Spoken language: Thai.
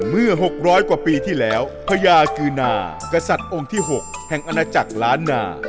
เมื่อ๖๐๐กว่าปีที่แล้วพญาคือนากษัตริย์องค์ที่๖แห่งอาณาจักรล้านนา